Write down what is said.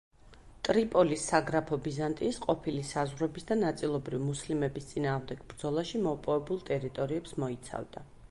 ტრიპოლის საგრაფო ბიზანტიის ყოფილი საზღვრების და ნაწილობრივ მუსლიმების წინააღმდეგ ბრძოლაში მოპოვებულ ტერიტორიებს მოიცავდა.